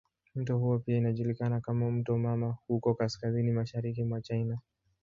Mto huo pia unajulikana kama "mto mama" huko kaskazini mashariki mwa China.